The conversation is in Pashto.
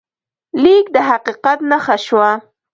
لیک د حقیقت نښه شوه.